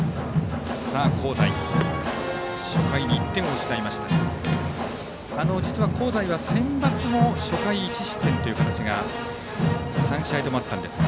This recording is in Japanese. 香西、初回に１点を失いましたが実は香西はセンバツも初回１失点という形が３試合ともあったんですが。